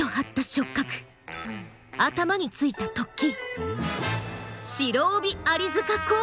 頭についた突起。